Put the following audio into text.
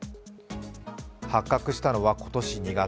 発覚したのは今年２月。